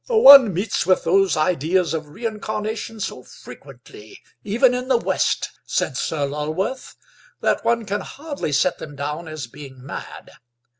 "One meets with those ideas of reincarnation so frequently, even in the West," said Sir Lulworth, "that one can hardly set them down as being mad.